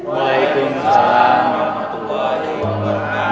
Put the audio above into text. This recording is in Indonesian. waalaikumsalam warahmatullahi wabarakatuh